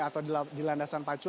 atau di landasan pacu